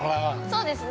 ◆そうですね。